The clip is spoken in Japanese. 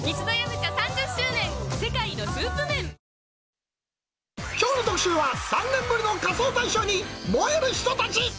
２１きょうの特集は、３年ぶりの仮装大賞に燃える人たち。